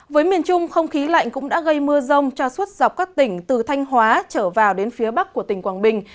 với miền trung không khí lạnh cũng đã gây mưa rông cho suốt dọc các tỉnh từ thanh hóa trở vào đến phía bắc của tỉnh quảng bình